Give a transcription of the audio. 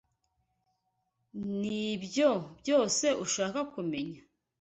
Nibyo byose ushaka kumenya?